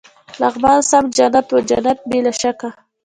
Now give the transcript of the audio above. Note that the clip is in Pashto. لغمان سم جنت و، جنت بې له شکه.